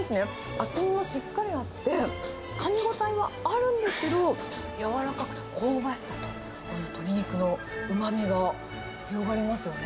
厚みもしっかりあって、かみ応えはあるんですけど、軟らかく、香ばしさと、鶏肉のうまみが広がりますよね。